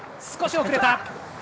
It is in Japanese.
少し遅れた。